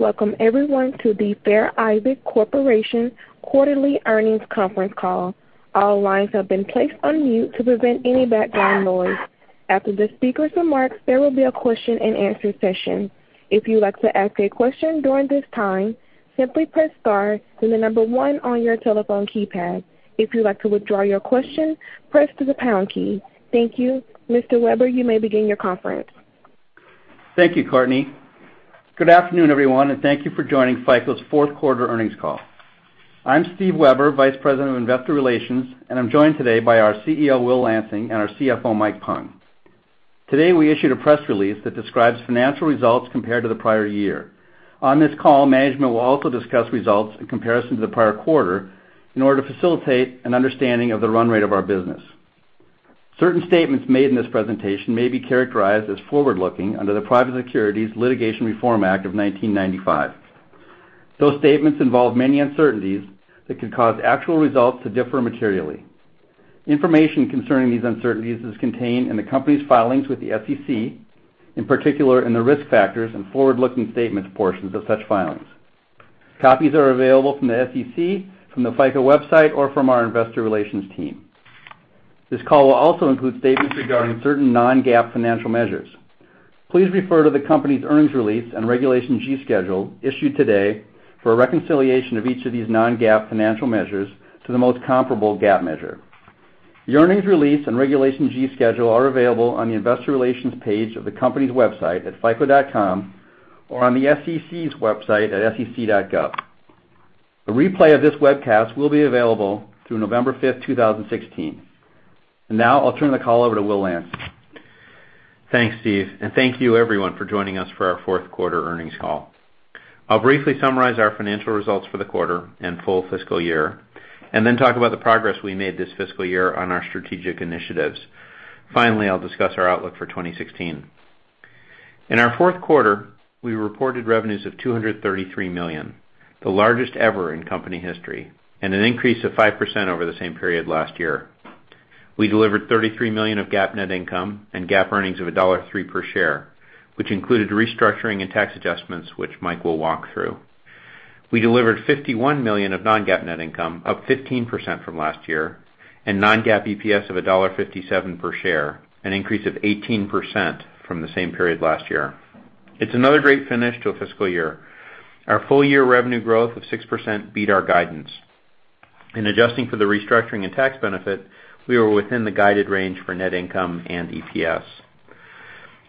Welcome everyone to the Fair Isaac Corporation quarterly earnings conference call. All lines have been placed on mute to prevent any background noise. After the speakers' remarks, there will be a question-and-answer session. If you would like to ask a question during this time, simply press star then the number one on your telephone keypad. If you'd like to withdraw your question, press the pound key. Thank you. Mr. Weber, you may begin your conference. Thank you, Courtney. Good afternoon, everyone, thank you for joining FICO's fourth quarter earnings call. I'm Steve Weber, Vice President of Investor Relations, I'm joined today by our CEO, Will Lansing, and our CFO, Mike Pung. Today, we issued a press release that describes financial results compared to the prior year. On this call, management will also discuss results in comparison to the prior quarter in order to facilitate an understanding of the run rate of our business. Certain statements made in this presentation may be characterized as forward-looking under the Private Securities Litigation Reform Act of 1995. Those statements involve many uncertainties that could cause actual results to differ materially. Information concerning these uncertainties is contained in the company's filings with the SEC, in particular in the risk factors and forward-looking statements portions of such filings. Copies are available from the SEC, from the FICO website, from our investor relations team. This call will also include statements regarding certain non-GAAP financial measures. Please refer to the company's earnings release and Regulation G schedule issued today for a reconciliation of each of these non-GAAP financial measures to the most comparable GAAP measure. The earnings release and Regulation G schedule are available on the investor relations page of the company's website at fico.com or on the SEC's website at sec.gov. A replay of this webcast will be available through November fifth, 2016. Now, I'll turn the call over to Will Lansing. Thanks, Steve. Thank you everyone for joining us for our fourth quarter earnings call. I'll briefly summarize our financial results for the quarter and full fiscal year then talk about the progress we made this fiscal year on our strategic initiatives. Finally, I'll discuss our outlook for 2016. In our fourth quarter, we reported revenues of $233 million, the largest ever in company history, an increase of 5% over the same period last year. We delivered $33 million of GAAP net income and GAAP earnings of $1.3 per share, which included restructuring and tax adjustments, which Mike will walk through. We delivered $51 million of non-GAAP net income, up 15% from last year, non-GAAP EPS of $1.57 per share, an increase of 18% from the same period last year. It's another great finish to a fiscal year. Our full-year revenue growth of 6% beat our guidance. In adjusting for the restructuring and tax benefit, we were within the guided range for net income and EPS.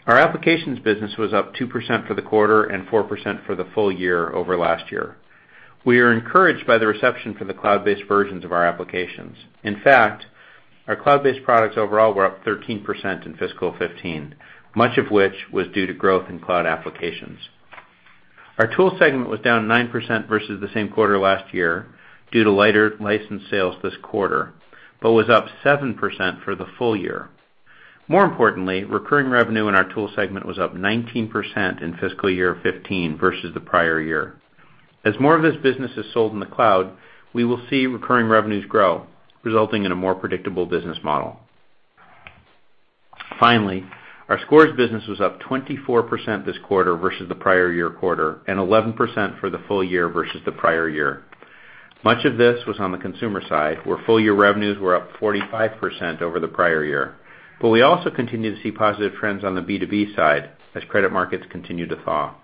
Our applications business was up 2% for the quarter and 4% for the full year over last year. We are encouraged by the reception for the cloud-based versions of our applications. In fact, our cloud-based products overall were up 13% in fiscal 2015, much of which was due to growth in cloud applications. Our tools segment was down 9% versus the same quarter last year due to lighter license sales this quarter but was up 7% for the full year. More importantly, recurring revenue in our tools segment was up 19% in fiscal year 2015 versus the prior year. As more of this business is sold in the cloud, we will see recurring revenues grow, resulting in a more predictable business model. Our scores business was up 24% this quarter versus the prior year quarter and 11% for the full year versus the prior year. Much of this was on the consumer side, where full-year revenues were up 45% over the prior year, but we also continue to see positive trends on the B2B side as credit markets continue to thaw.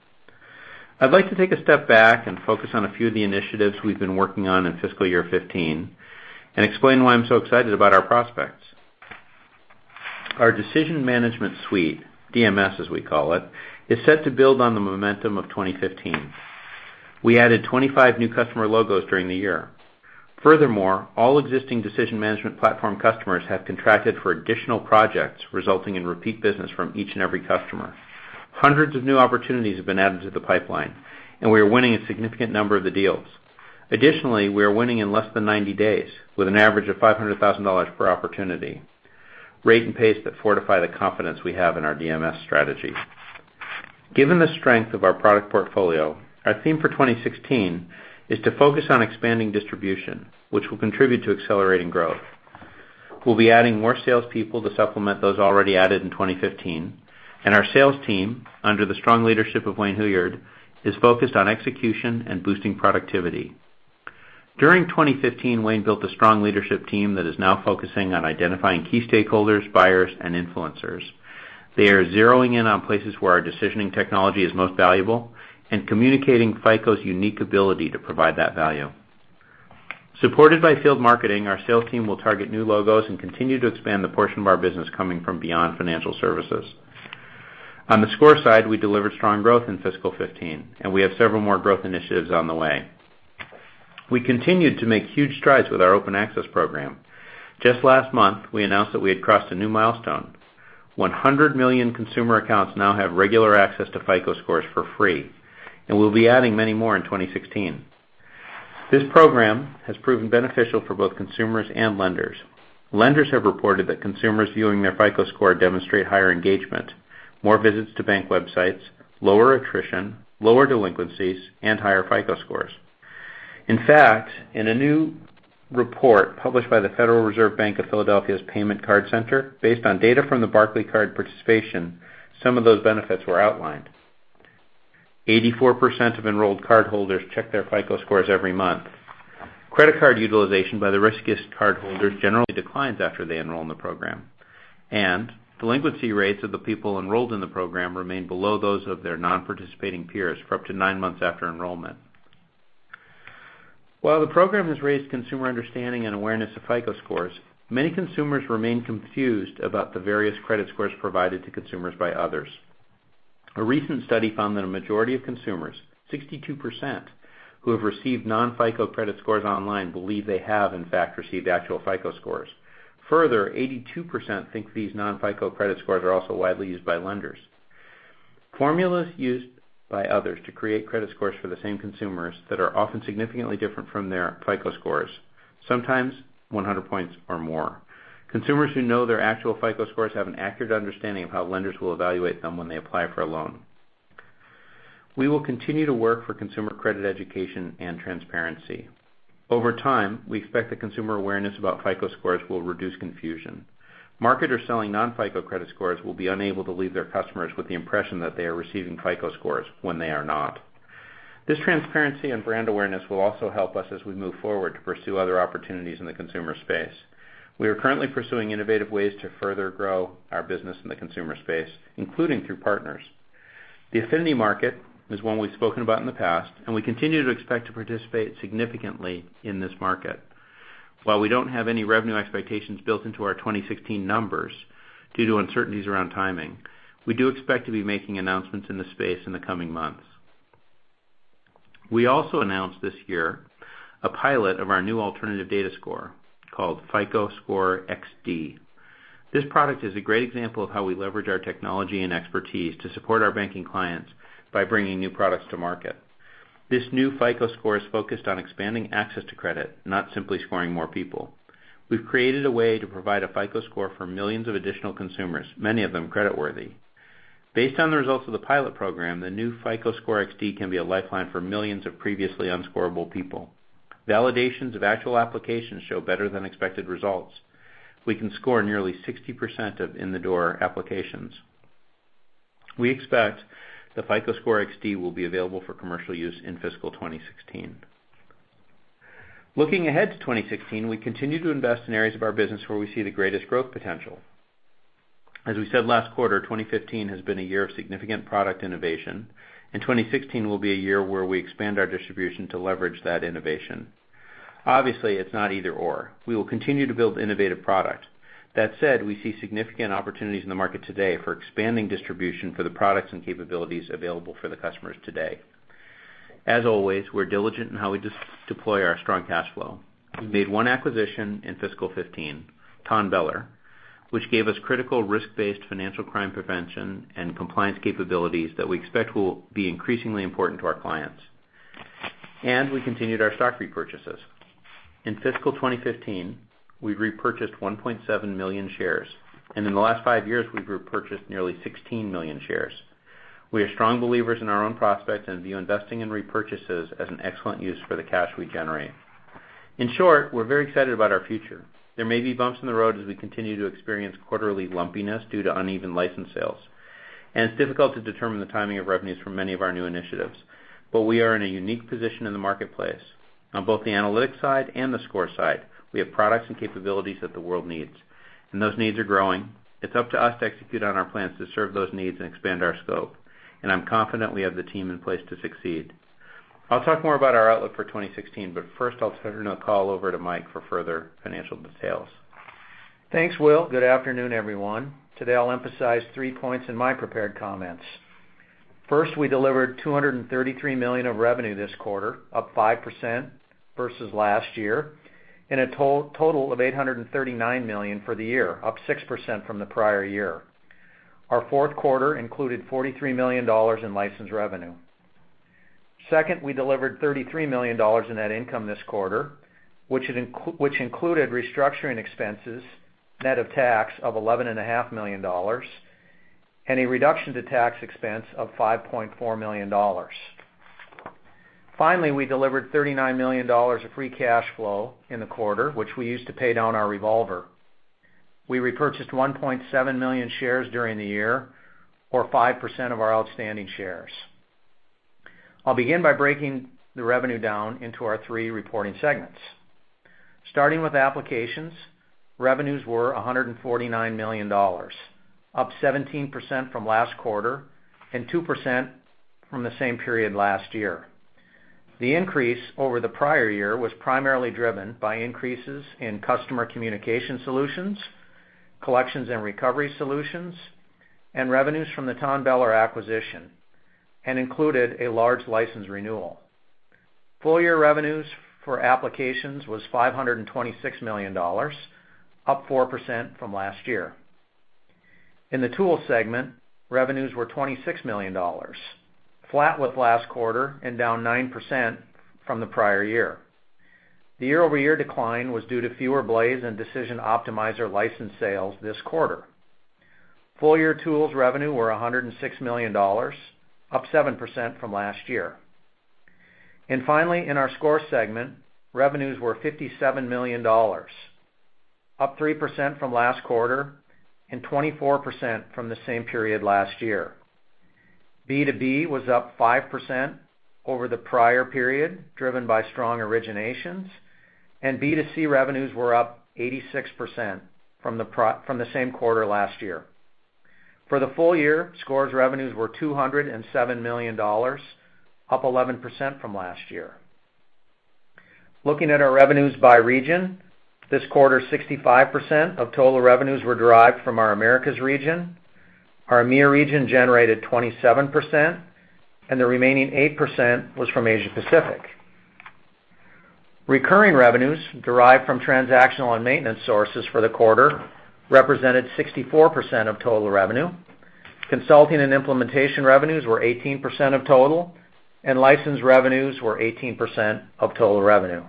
I'd like to take a step back and focus on a few of the initiatives we've been working on in fiscal year 2015 and explain why I'm so excited about our prospects. Our Decision Management Suite, DMS, as we call it, is set to build on the momentum of 2015. We added 25 new customer logos during the year. Furthermore, all existing Decision Management Platform customers have contracted for additional projects, resulting in repeat business from each and every customer. Hundreds of new opportunities have been added to the pipeline. We are winning a significant number of the deals. Additionally, we are winning in less than 90 days with an average of $500,000 per opportunity. Rate and pace that fortify the confidence we have in our DMS strategy. Given the strength of our product portfolio, our theme for 2016 is to focus on expanding distribution, which will contribute to accelerating growth. We'll be adding more salespeople to supplement those already added in 2015. Our sales team, under the strong leadership of Wayne Hilliard, is focused on execution and boosting productivity. During 2015, Wayne built a strong leadership team that is now focusing on identifying key stakeholders, buyers, and influencers. They are zeroing in on places where our decisioning technology is most valuable and communicating FICO's unique ability to provide that value. Supported by field marketing, our sales team will target new logos and continue to expand the portion of our business coming from beyond financial services. On the score side, we delivered strong growth in fiscal 2015. We have several more growth initiatives on the way. We continued to make huge strides with our Open Access program. Just last month, we announced that we had crossed a new milestone. 100 million consumer accounts now have regular access to FICO scores for free. We'll be adding many more in 2016. This program has proven beneficial for both consumers and lenders. Lenders have reported that consumers viewing their FICO score demonstrate higher engagement, more visits to bank websites, lower attrition, lower delinquencies, and higher FICO scores. In fact, in a new report published by the Federal Reserve Bank of Philadelphia's Payment Cards Center, based on data from the Barclaycard participation, some of those benefits were outlined. 84% of enrolled cardholders check their FICO scores every month. Credit card utilization by the riskiest cardholders generally declines after they enroll in the program, and delinquency rates of the people enrolled in the program remain below those of their non-participating peers for up to 9 months after enrollment. While the program has raised consumer understanding and awareness of FICO scores, many consumers remain confused about the various credit scores provided to consumers by others. A recent study found that a majority of consumers, 62%, who have received non-FICO credit scores online believe they have, in fact, received actual FICO scores. Further, 82% think these non-FICO credit scores are also widely used by lenders. Formulas used by others to create credit scores for the same consumers that are often significantly different from their FICO scores, sometimes 100 points or more. Consumers who know their actual FICO scores have an accurate understanding of how lenders will evaluate them when they apply for a loan. We will continue to work for consumer credit, education, and transparency. Over time, we expect that consumer awareness about FICO scores will reduce confusion. Marketers selling non-FICO credit scores will be unable to leave their customers with the impression that they are receiving FICO scores when they are not. This transparency and brand awareness will also help us as we move forward to pursue other opportunities in the consumer space. We are currently pursuing innovative ways to further grow our business in the consumer space, including through partners. The affinity market is one we've spoken about in the past. We continue to expect to participate significantly in this market. While we don't have any revenue expectations built into our 2016 numbers due to uncertainties around timing, we do expect to be making announcements in this space in the coming months. We also announced this year a pilot of our new alternative data score called FICO Score XD. This product is a great example of how we leverage our technology and expertise to support our banking clients by bringing new products to market. This new FICO score is focused on expanding access to credit, not simply scoring more people. We've created a way to provide a FICO score for millions of additional consumers, many of them creditworthy. Based on the results of the pilot program, the new FICO Score XD can be a lifeline for millions of previously unscorable people. Validations of actual applications show better than expected results. We can score nearly 60% of in-the-door applications. We expect the FICO Score XD will be available for commercial use in fiscal 2016. Looking ahead to 2016, we continue to invest in areas of our business where we see the greatest growth potential. As we said last quarter, 2015 has been a year of significant product innovation. 2016 will be a year where we expand our distribution to leverage that innovation. Obviously, it's not either/or. We will continue to build innovative product. That said, we see significant opportunities in the market today for expanding distribution for the products and capabilities available for the customers today. As always, we're diligent in how we deploy our strong cash flow. We made one acquisition in fiscal 2015, Tonbeller, which gave us critical risk-based financial crime prevention and compliance capabilities that we expect will be increasingly important to our clients. We continued our stock repurchases. In fiscal 2015, we repurchased 1.7 million shares, and in the last five years, we've repurchased nearly 16 million shares. We are strong believers in our own prospects and view investing in repurchases as an excellent use for the cash we generate. In short, we're very excited about our future. There may be bumps in the road as we continue to experience quarterly lumpiness due to uneven license sales, and it's difficult to determine the timing of revenues for many of our new initiatives. We are in a unique position in the marketplace. On both the analytics side and the score side, we have products and capabilities that the world needs, and those needs are growing. It's up to us to execute on our plans to serve those needs and expand our scope. I'm confident we have the team in place to succeed. I'll talk more about our outlook for 2016, first, I'll turn the call over to Mike for further financial details. Thanks, Will. Good afternoon, everyone. Today, I'll emphasize three points in my prepared comments. First, we delivered $233 million of revenue this quarter, up 5% versus last year, and a total of $839 million for the year, up 6% from the prior year. Our fourth quarter included $43 million in licensed revenue. Second, we delivered $33 million in net income this quarter, which included restructuring expenses, net of tax of eleven and a half million dollars, and a reduction to tax expense of $5.4 million. Finally, we delivered $39 million of free cash flow in the quarter, which we used to pay down our revolver. We repurchased 1.7 million shares during the year or 5% of our outstanding shares. I'll begin by breaking the revenue down into our three reporting segments. Starting with applications, revenues were $149 million, up 17% from last quarter and 2% from the same period last year. The increase over the prior year was primarily driven by increases in customer communication solutions, Collections and Recovery solutions, and revenues from the TONBELLER acquisition and included a large license renewal. Full year revenues for applications was $526 million, up 4% from last year. In the tool segment, revenues were $26 million, flat with last quarter and down 9% from the prior year. The year-over-year decline was due to fewer Blaze and Decision Optimizer license sales this quarter. Full year tools revenue were $106 million, up 7% from last year. Finally, in our score segment, revenues were $57 million, up 3% from last quarter and 24% from the same period last year. B2B was up 5% over the prior period, driven by strong originations. B2C revenues were up 86% from the same quarter last year. For the full year, Scores revenues were $207 million, up 11% from last year. Looking at our revenues by region, this quarter, 65% of total revenues were derived from our Americas region. Our EMEA region generated 27%. The remaining 8% was from Asia Pacific. Recurring revenues derived from transactional and maintenance sources for the quarter represented 64% of total revenue. Consulting and implementation revenues were 18% of total. License revenues were 18% of total revenue.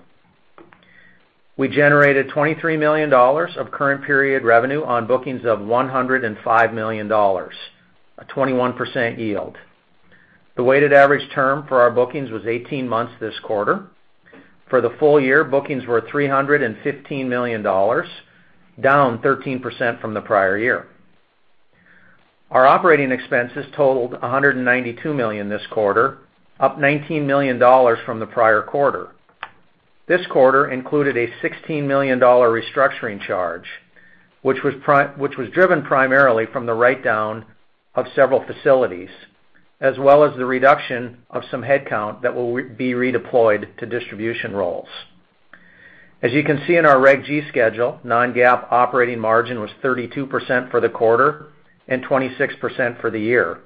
We generated $23 million of current period revenue on bookings of $105 million, a 21% yield. The weighted average term for our bookings was 18 months this quarter. For the full year, bookings were $315 million, down 13% from the prior year. Our operating expenses totaled $192 million this quarter, up $19 million from the prior quarter. This quarter included a $16 million restructuring charge, which was driven primarily from the write-down of several facilities, as well as the reduction of some headcount that will be redeployed to distribution roles. As you can see in our Regulation G schedule, non-GAAP operating margin was 32% for the quarter and 26% for the year.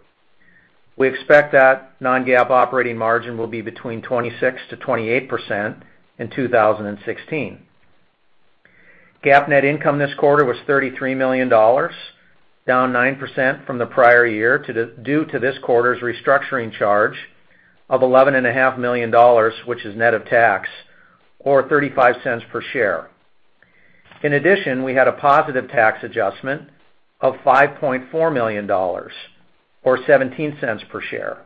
We expect that non-GAAP operating margin will be between 26%-28% in 2016. GAAP net income this quarter was $33 million, down 9% from the prior year due to this quarter's restructuring charge of $11.5 million, which is net of tax, or $0.35 per share. In addition, we had a positive tax adjustment of $5.4 million, or $0.17 per share.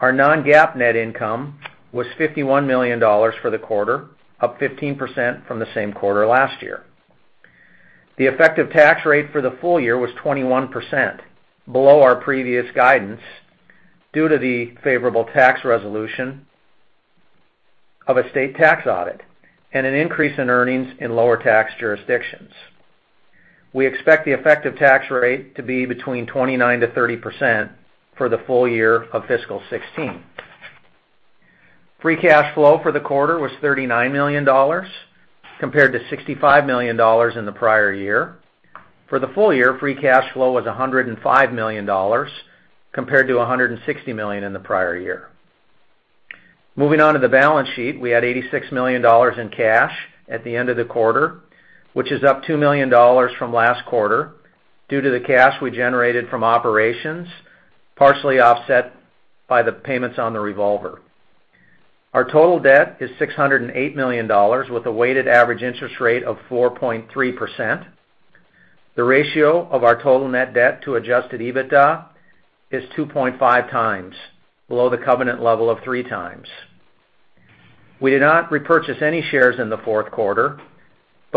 Our non-GAAP net income was $51 million for the quarter, up 15% from the same quarter last year. The effective tax rate for the full year was 21%, below our previous guidance due to the favorable tax resolution of a state tax audit and an increase in earnings in lower tax jurisdictions. We expect the effective tax rate to be between 29%-30% for the full year of fiscal 2016. Free cash flow for the quarter was $39 million, compared to $65 million in the prior year. For the full year, free cash flow was $105 million, compared to $160 million in the prior year. Moving on to the balance sheet, we had $86 million in cash at the end of the quarter, which is up $2 million from last quarter due to the cash we generated from operations, partially offset by the payments on the revolver. Our total debt is $608 million, with a weighted average interest rate of 4.3%. The ratio of our total net debt to adjusted EBITDA is 2.5 times, below the covenant level of three times. We did not repurchase any shares in the fourth quarter.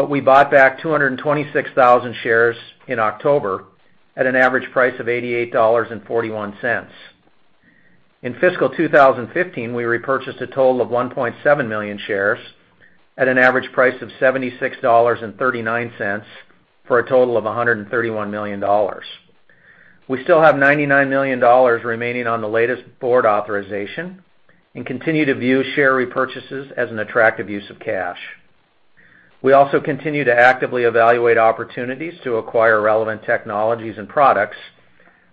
We bought back 226,000 shares in October at an average price of $88.41. In fiscal 2015, we repurchased a total of 1.7 million shares at an average price of $76.39 for a total of $131 million. We still have $99 million remaining on the latest board authorization. Continue to view share repurchases as an attractive use of cash. We also continue to actively evaluate opportunities to acquire relevant technologies and products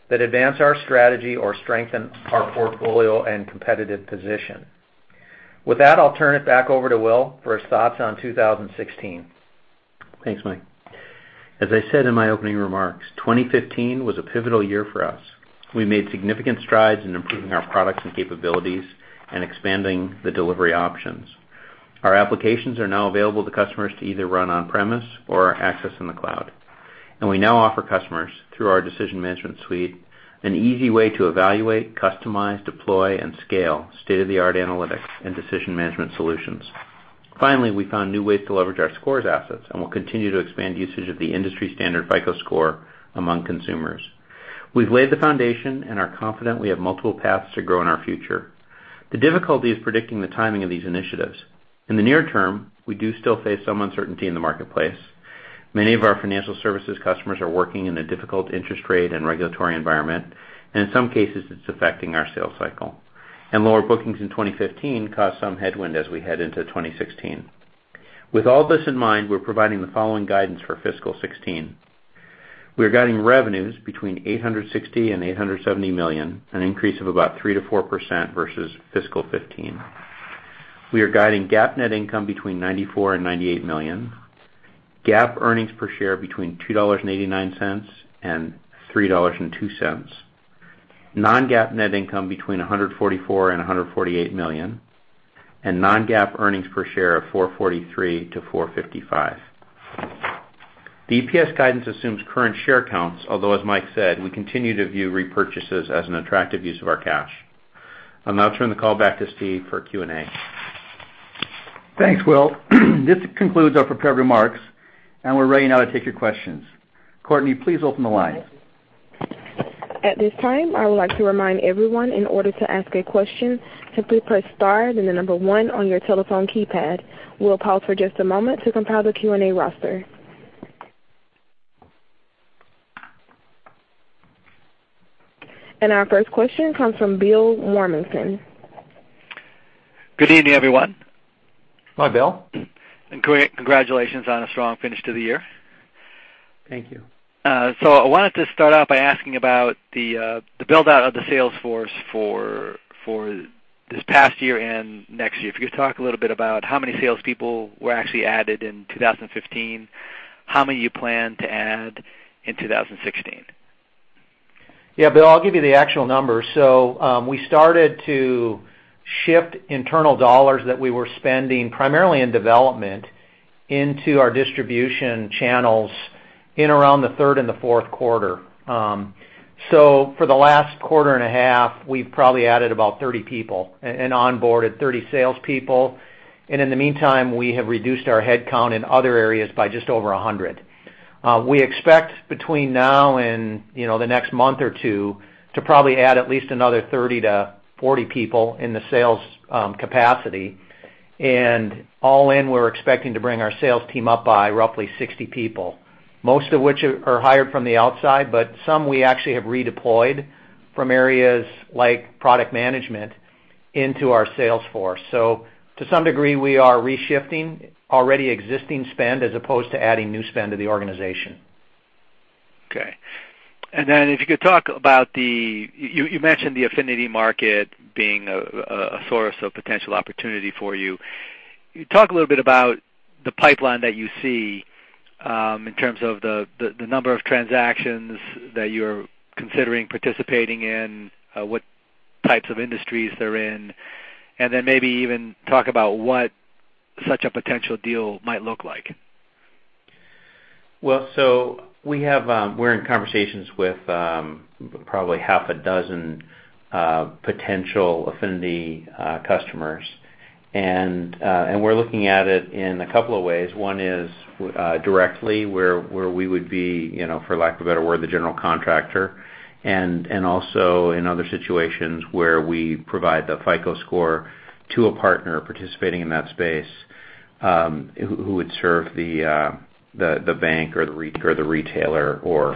that advance our strategy or strengthen our portfolio and competitive position. With that, I'll turn it back over to Will for his thoughts on 2016. Thanks, Mike. As I said in my opening remarks, 2015 was a pivotal year for us. We made significant strides in improving our products and capabilities and expanding the delivery options. Our applications are now available to customers to either run on-premise or access in the cloud. We now offer customers, through our Decision Management Suite, an easy way to evaluate, customize, deploy, and scale state-of-the-art analytics and decision management solutions. Finally, we found new ways to leverage our scores assets, and we'll continue to expand usage of the industry-standard FICO Score among consumers. We've laid the foundation and are confident we have multiple paths to grow in our future. The difficulty is predicting the timing of these initiatives. In the near term, we do still face some uncertainty in the marketplace. Many of our financial services customers are working in a difficult interest rate and regulatory environment, and in some cases, it's affecting our sales cycle. Lower bookings in 2015 caused some headwind as we head into 2016. With all this in mind, we're providing the following guidance for fiscal 2016. We're guiding revenues between $860 million and $870 million, an increase of about 3%-4% versus fiscal 2015. We are guiding GAAP net income between $94 million and $98 million, GAAP earnings per share between $2.89 and $3.02. Non-GAAP net income between $144 million and $148 million, and non-GAAP earnings per share of $4.43 to $4.55. The EPS guidance assumes current share counts, although, as Mike said, we continue to view repurchases as an attractive use of our cash. I'll now turn the call back to Steve for Q&A. Thanks, Will. This concludes our prepared remarks, and we're ready now to take your questions. Courtney, please open the line. At this time, I would like to remind everyone, in order to ask a question, simply press star then the number 1 on your telephone keypad. We'll pause for just a moment to compile the Q&A roster. Our first question comes from Bill Morminson. Good evening, everyone. Hi, Bill. Congratulations on a strong finish to the year. Thank you. I wanted to start off by asking about the build-out of the sales force for this past year and next year. If you could talk a little bit about how many salespeople were actually added in 2015, how many you plan to add in 2016. Yeah, Bill, I'll give you the actual numbers. We started to shift internal dollars that we were spending primarily in development into our distribution channels in around the third and the fourth quarter. For the last quarter and a half, we've probably added about 30 people and onboarded 30 salespeople. In the meantime, we have reduced our headcount in other areas by just over 100. We expect between now and the next month or two to probably add at least another 30-40 people in the sales capacity. All in, we're expecting to bring our sales team up by roughly 60 people. Most of which are hired from the outside, but some we actually have redeployed from areas like product management into our sales force. To some degree, we are re-shifting already existing spend as opposed to adding new spend to the organization. Okay. You mentioned the affinity market being a source of potential opportunity for you. Talk a little bit about the pipeline that you see in terms of the number of transactions that you're considering participating in, what types of industries they're in, maybe even talk about what such a potential deal might look like. We're in conversations with probably half a dozen potential affinity customers. We're looking at it in a couple of ways. One is directly where we would be, for lack of a better word, the general contractor, and also in other situations where we provide the FICO Score to a partner participating in that space, who would serve the bank or the retailer or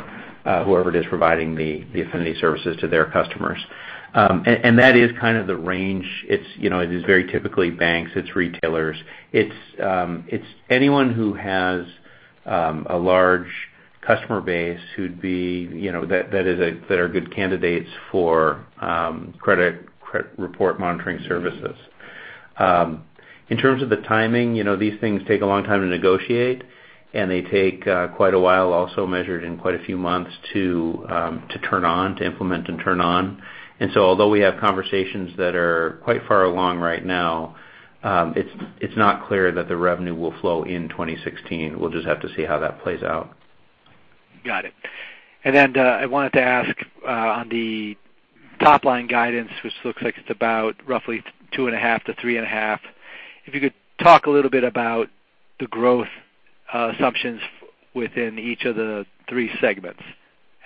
whoever it is providing the affinity services to their customers. That is kind of the range. It is very typically banks, it's retailers. It's anyone who has a large customer base that are good candidates for credit report monitoring services. In terms of the timing, these things take a long time to negotiate, and they take quite a while, also measured in quite a few months to turn on, to implement and turn on. Although we have conversations that are quite far along right now, it's not clear that the revenue will flow in 2016. We'll just have to see how that plays out. Got it. I wanted to ask on the top-line guidance, which looks like it's about roughly 2.5%-3.5%. If you could talk a little bit about the growth assumptions within each of the 3 segments,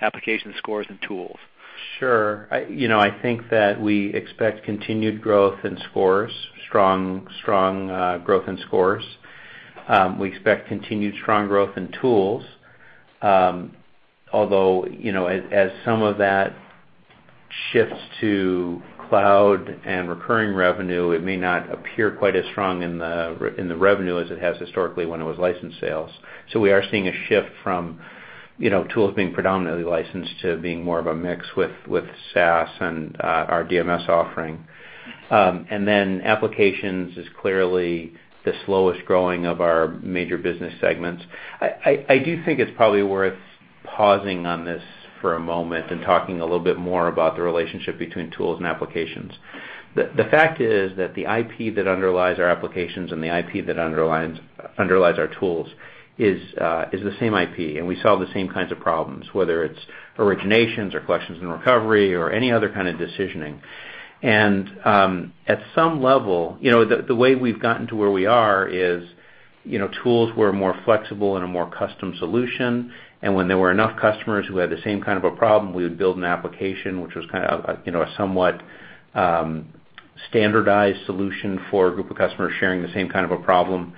Applications, Scores, and Tools. Sure. I think that we expect continued growth in Scores, strong growth in Scores. We expect continued strong growth in Tools. Although, as some of that shifts to cloud and recurring revenue, it may not appear quite as strong in the revenue as it has historically when it was licensed sales. We are seeing a shift from Tools being predominantly licensed to being more of a mix with SaaS and our DMS offering. Applications is clearly the slowest-growing of our major business segments. I do think it's probably worth pausing on this for a moment and talking a little bit more about the relationship between Tools and Applications. The fact is that the IP that underlies our Applications and the IP that underlies our Tools is the same IP, and we solve the same kinds of problems, whether it's originations or Collections and Recovery or any other kind of decisioning. At some level, the way we've gotten to where we are is Tools were more flexible and a more custom solution, and when there were enough customers who had the same kind of a problem, we would build an Application, which was a somewhat standardized solution for a group of customers sharing the same kind of a problem.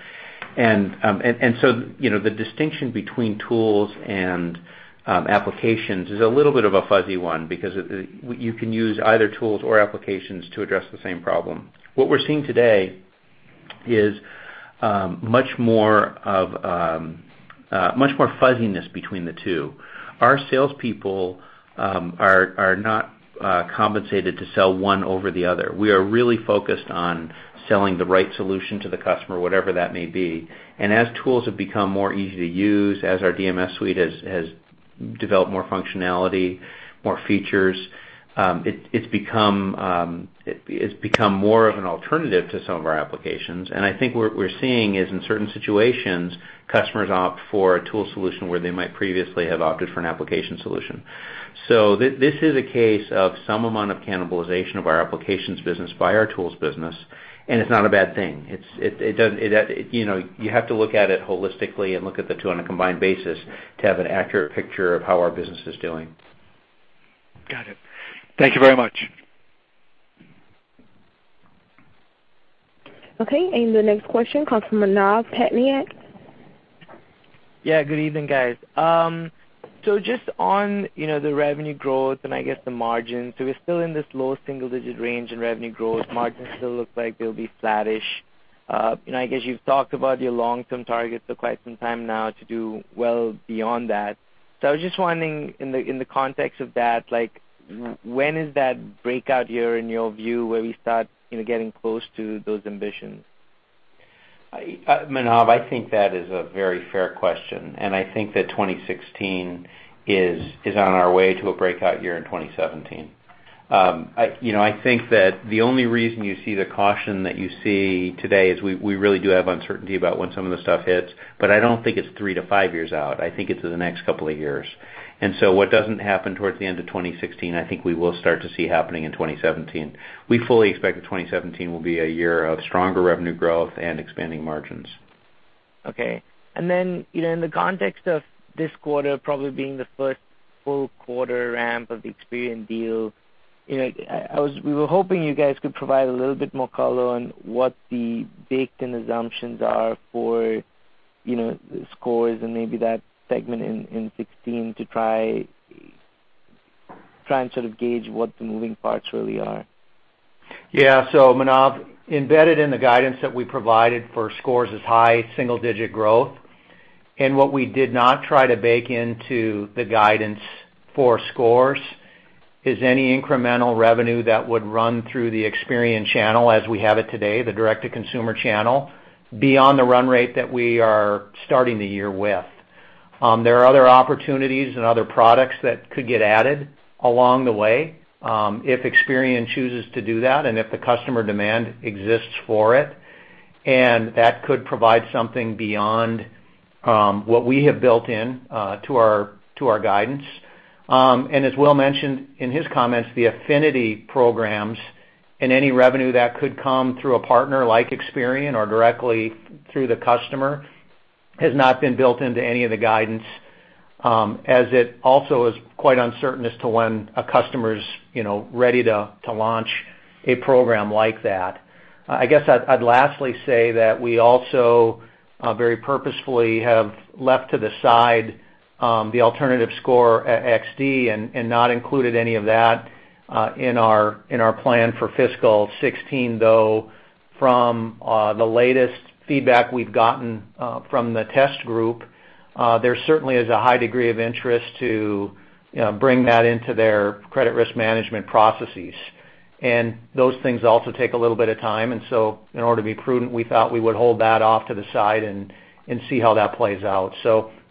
The distinction between Tools and Applications is a little bit of a fuzzy one because you can use either Tools or Applications to address the same problem. What we're seeing today is much more fuzziness between the two. Our salespeople are not compensated to sell one over the other. We are really focused on selling the right solution to the customer, whatever that may be. As tools have become more easy to use, as our DMS suite has developed more functionality, more features. It has become more of an alternative to some of our applications. I think what we are seeing is in certain situations, customers opt for a tools solution where they might previously have opted for an applications solution. This is a case of some amount of cannibalization of our applications business by our tools business, and it is not a bad thing. You have to look at it holistically and look at the two on a combined basis to have an accurate picture of how our business is doing. Got it. Thank you very much. Okay. The next question comes from Manav Patnaik. Yeah. Good evening, guys. Just on the revenue growth and I guess the margins, we are still in this low single-digit range in revenue growth. Margins still look like they will be flattish. I guess you have talked about your long-term targets for quite some time now to do well beyond that. I was just wondering in the context of that, when is that breakout year in your view, where we start getting close to those ambitions? Manav, I think that is a very fair question. I think that 2016 is on our way to a breakout year in 2017. I think that the only reason you see the caution that you see today is we really do have uncertainty about when some of the stuff hits. I don't think it's three to five years out. I think it's in the next couple of years. What doesn't happen towards the end of 2016, I think we will start to see happening in 2017. We fully expect that 2017 will be a year of stronger revenue growth and expanding margins. Okay. In the context of this quarter probably being the first full quarter ramp of the Experian deal, we were hoping you guys could provide a little bit more color on what the baked-in assumptions are for the scores and maybe that segment in 2016 to try and sort of gauge what the moving parts really are. Yeah. Manav, embedded in the guidance that we provided for scores is high single-digit growth. What we did not try to bake into the guidance for scores is any incremental revenue that would run through the Experian channel as we have it today, the direct-to-consumer channel, beyond the run rate that we are starting the year with. There are other opportunities and other products that could get added along the way, if Experian chooses to do that and if the customer demand exists for it. That could provide something beyond what we have built in to our guidance. As Will mentioned in his comments, the affinity programs and any revenue that could come through a partner like Experian or directly through the customer, has not been built into any of the guidance, as it also is quite uncertain as to when a customer's ready to launch a program like that. I guess I'd lastly say that we also very purposefully have left to the side the alternative Score XD and not included any of that in our plan for fiscal 2016. Though from the latest feedback we've gotten from the test group, there certainly is a high degree of interest to bring that into their credit risk management processes. Those things also take a little bit of time. In order to be prudent, we thought we would hold that off to the side and see how that plays out.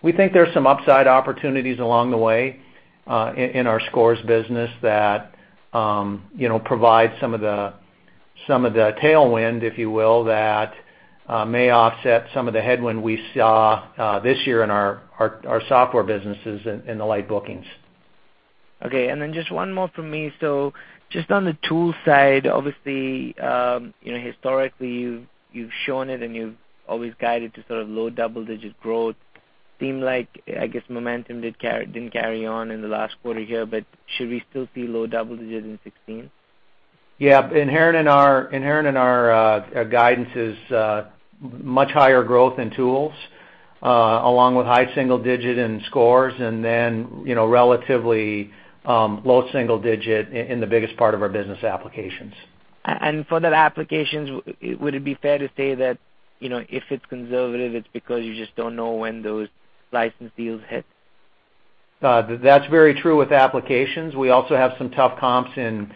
We think there's some upside opportunities along the way in our scores business that provide some of the tailwind, if you will, that may offset some of the headwind we saw this year in our software businesses in the light bookings. Just one more from me. Just on the tools side, obviously, historically you've shown it and you've always guided to sort of low double-digit growth. Seemed like, I guess momentum didn't carry on in the last quarter here. Should we still see low double digits in 2016? Inherent in our guidance is much higher growth in tools, along with high single digit in scores and relatively low single digit in the biggest part of our business, applications. For that applications, would it be fair to say that if it's conservative, it's because you just don't know when those license deals hit? That's very true with applications. We also have some tough comps in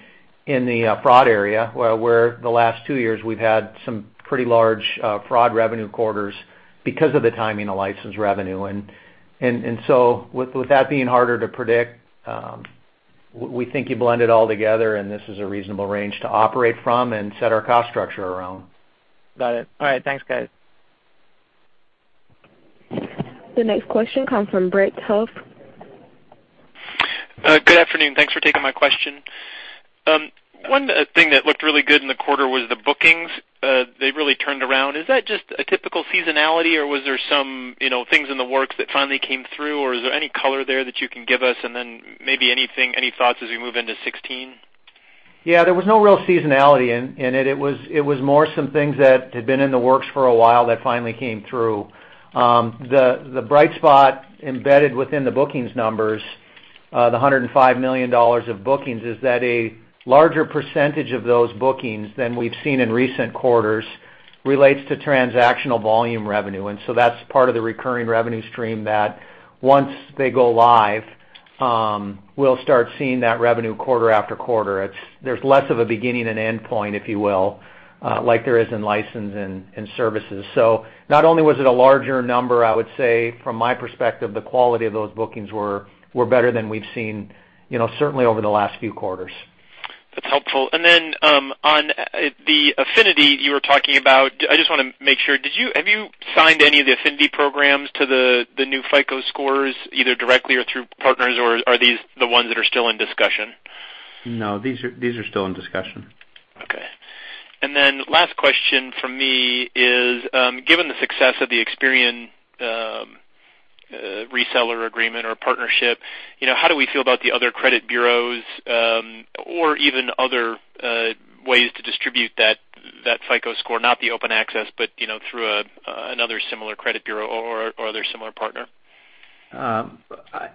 the fraud area, where the last two years we've had some pretty large fraud revenue quarters because of the timing of license revenue. So with that being harder to predict, we think you blend it all together and this is a reasonable range to operate from and set our cost structure around. Got it. All right. Thanks, guys. The next question comes from Brett Huff. Good afternoon. Thanks for taking my question. One thing that looked really good in the quarter was the bookings. They really turned around. Is that just a typical seasonality or was there some things in the works that finally came through, or is there any color there that you can give us? Then maybe any thoughts as we move into 2016? There was no real seasonality in it. It was more some things that had been in the works for a while that finally came through. The bright spot embedded within the bookings numbers, the $105 million of bookings, is that a larger percentage of those bookings than we've seen in recent quarters relates to transactional volume revenue. That's part of the recurring revenue stream that once they go live, we'll start seeing that revenue quarter after quarter. There's less of a beginning and end point, if you will, like there is in license and services. Not only was it a larger number, I would say from my perspective, the quality of those bookings were better than we've seen certainly over the last few quarters. That's helpful. On the affinity you were talking about, I just want to make sure, have you signed any of the affinity programs to the new FICO scores, either directly or through partners, or are these the ones that are still in discussion? No. These are still in discussion. Okay. Last question from me is, given the success of the Experian reseller agreement or partnership, how do we feel about the other credit bureaus or even other ways to distribute that FICO score, not the Open Access, but through another similar credit bureau or other similar partner?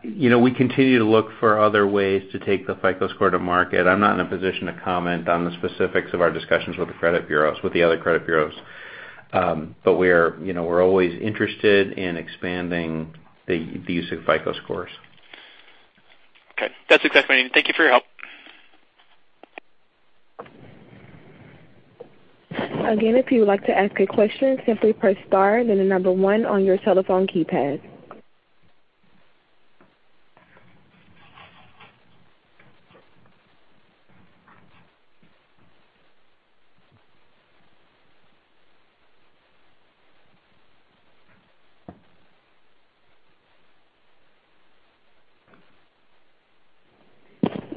We continue to look for other ways to take the FICO Score to market. I'm not in a position to comment on the specifics of our discussions with the other credit bureaus. We're always interested in expanding the use of FICO Scores. Okay. That's exactly what I need. Thank you for your help. Again, if you would like to ask a question, simply press star, then the number 1 on your telephone keypad.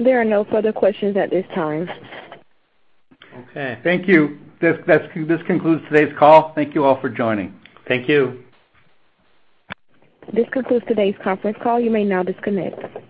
There are no further questions at this time. Okay. Thank you. This concludes today's call. Thank you all for joining. Thank you. This concludes today's conference call. You may now disconnect.